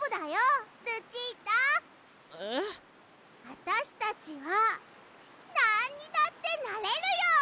あたしたちはなんにだってなれるよ！